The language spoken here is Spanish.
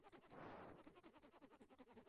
Se desarrolla con un eje sur-norte.